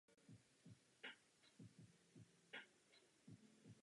Má dva bratry Ryana a Justina.